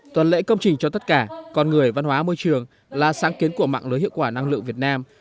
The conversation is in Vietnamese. tuần lễ công trình cho tất cả con người văn hóa môi trường là sáng kiến của mạng lưới hiệu quả năng lượng việt nam